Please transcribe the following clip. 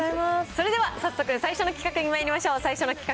それでは早速、最初の企画にまいりましょう。